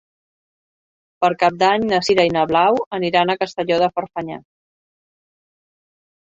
Per Cap d'Any na Sira i na Blau aniran a Castelló de Farfanya.